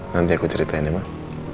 nanti aku ceritain ya pak